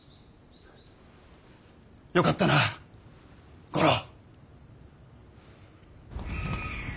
よかったな五郎。